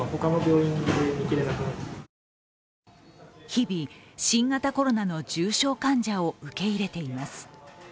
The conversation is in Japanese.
日々、新型コロナの重症患者を受け入れています。